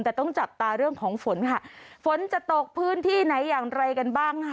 แต่ต้องจับตาเรื่องของฝนค่ะฝนจะตกพื้นที่ไหนอย่างไรกันบ้างค่ะ